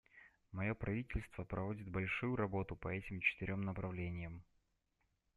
Мое правительство проводит большую работу по этим четырем направлениям.